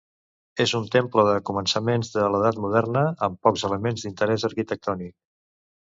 És un temple de començaments de l'edat moderna, amb pocs elements d'interès arquitectònic.